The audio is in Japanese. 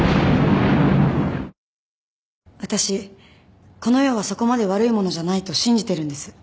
私この世はそこまで悪いものじゃないと信じてるんです。